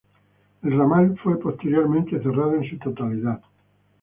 El Ramal fue, posteriormente, cerrado en su totalidad.